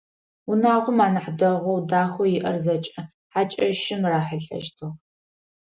Унагъом анахь дэгъоу, дахэу иӏэр зэкӏэ хьакӏэщым рахьылӏэщтыгъ.